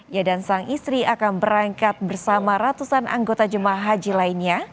ia dan sang istri akan berangkat bersama ratusan anggota jemaah haji lainnya